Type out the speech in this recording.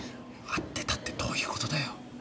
会ってたってどういうことだよ？